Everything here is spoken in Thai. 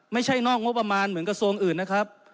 นอกงบประมาณเหมือนกระทรวงอื่นนะครับ